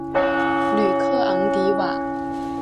吕克昂迪瓦。